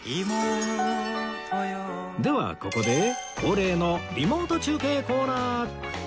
ではここで恒例のリモート中継コーナー